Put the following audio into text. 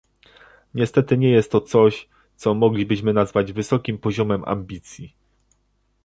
Niestety nie jest to coś, co moglibyśmy nazwać wysokim poziomem ambicji